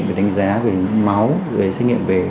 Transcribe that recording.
để đánh giá về máu xét nghiệm về